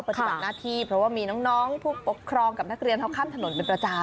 ปฏิบัติหน้าที่เพราะว่ามีน้องผู้ปกครองกับนักเรียนเขาข้ามถนนเป็นประจำ